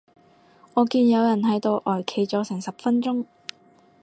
我見有人喺度呆企咗成十分鐘